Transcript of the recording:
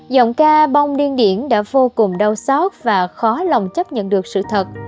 giọng ca bông điên điển đã vô cùng đau xót và khó lòng chấp nhận được sự thật